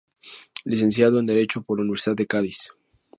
Licenciado en Derecho por la Universidad de Cádiz.